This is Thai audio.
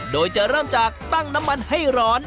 โดยจะเริ่มจากตั้งน้ำมันให้ร้อน